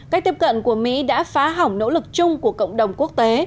cách tiếp cận của mỹ đã phá hỏng nỗ lực chung của cộng đồng quốc tế